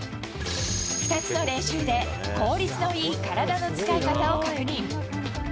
２つの練習で、効率のいい体の使い方を確認。